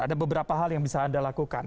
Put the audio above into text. ada beberapa hal yang bisa anda lakukan